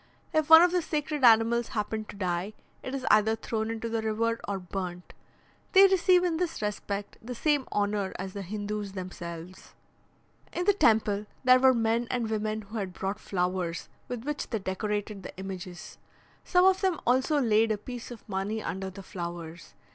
If one of the sacred animals happen to die, it is either thrown into the river or burnt. They receive in this respect the same honour as the Hindoos themselves. In the temple, there were men and women who had brought flowers, with which they decorated the images. Some of them also laid a piece of money under the flowers.